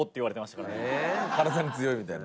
タカ：辛さに強いみたいな？